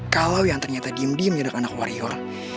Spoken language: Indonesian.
kalau yang ternyata diem diem menurut anak warrior